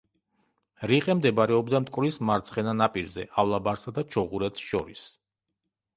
რიყე მდებარეობდა მტკვრის მარცხენა ნაპირზე, ავლაბარსა და ჩუღურეთს შორის.